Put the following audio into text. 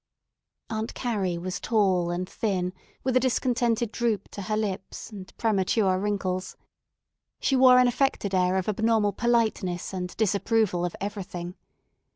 Aunt Carrie was tall and thin, with a discontented droop to her lips, and premature wrinkles. She wore an affected air of abnormal politeness and disapproval of everything.